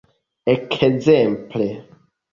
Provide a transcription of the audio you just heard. ekzemple